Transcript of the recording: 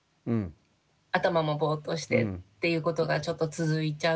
頭もぼっとしてっていうことがちょっと続いちゃう。